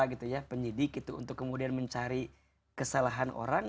pengacara penyidik untuk mencari kesalahan orang